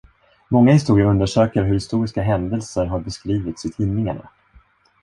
Många historier undersöker hur historiska händelser har beskrivits i tidningarna.